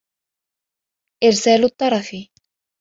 إرْسَالُ الطَّرْفِ